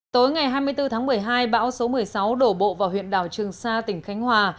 tối ngày hai mươi bốn tháng một mươi hai bão số một mươi sáu đổ bộ vào huyện đảo trường sa tỉnh khánh hòa